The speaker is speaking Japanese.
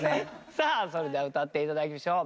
さあそれでは歌って頂きましょう。